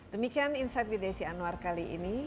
demikian insight with desi anwar kali ini